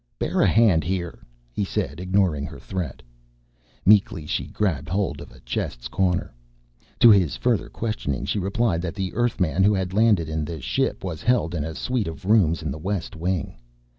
"Bear a hand here," he said, ignoring her threat. Meekly she grabbed hold of a chest's corner. To his further questioning, she replied that the Earthman who had landed in the ship was held in a suite of rooms in the west wing.